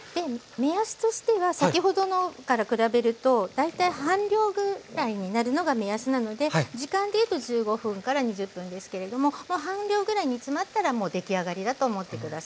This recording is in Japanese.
目安としては先ほどのから比べると大体半量分ぐらいになるのが目安なので時間でいうと１５分から２０分ですけれどももう半量ぐらい煮詰まったらもう出来上がりだと思って下さい。